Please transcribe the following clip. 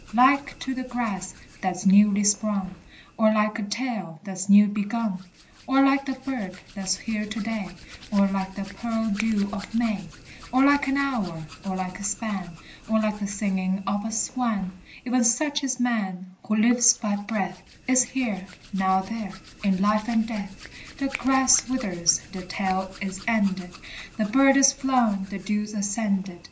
Like to the grass that's newly sprung, Or like a tale that's new begun, Or like the bird that's here to day, Or like the pearled dew of May, Or like an hour, or like a span, Or like the singing of a swan, E'en such is man; who lives by breath, Is here, now there, in life and death. The grass withers, the tale is ended, The bird is flown, the dew's ascended.